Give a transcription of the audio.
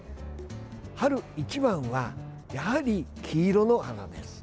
春一番はやはり黄色の花です。